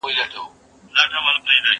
چي خاوند به له بازاره راغی کورته